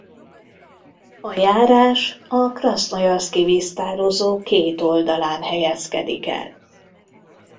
A járás a Krasznojarszki víztározó két oldalán helyezkedik el.